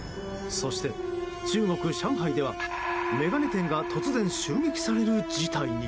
そして中国・上海では眼鏡店が突然襲撃される事態に。